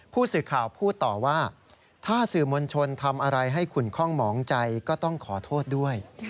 ผู้สื่อข่าวพูดต่อว่าถ้าสื่อมวลชนทำอะไรให้ขุนคล่องหมองใจก็ต้องขอโทษด้วย